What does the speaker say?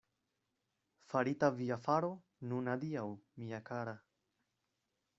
Farita via faro, nun adiaŭ, mia kara!